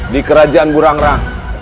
di kerajaan burang rang